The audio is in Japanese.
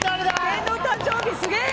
天皇誕生日すげえ！